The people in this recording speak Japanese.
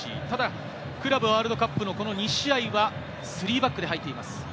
ただ、クラブワールドカップのこの２試合は３バックで入っています。